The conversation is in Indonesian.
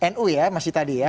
nu ya masih tadi ya